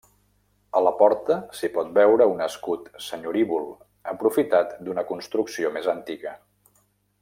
A la porta s'hi pot veure un escut senyorívol aprofitat d'una construcció més antiga.